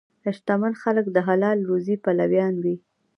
شتمن خلک د حلال روزي پلویان وي.